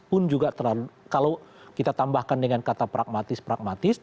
pun juga terlalu kalau kita tambahkan dengan kata pragmatis pragmatis